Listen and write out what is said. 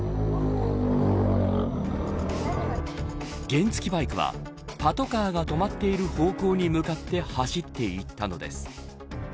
原付バイクはパトカーが止まっている方向に向かって走っていったのです。